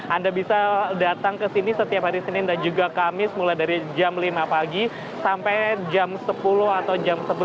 anda bisa datang ke sini setiap hari senin dan juga kamis mulai dari jam lima pagi sampai jam sepuluh atau jam sebelas